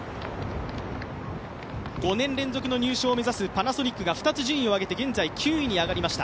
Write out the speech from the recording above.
５年連続入賞を目指すパナソニックが２つ順位を上げて９位に上がりました。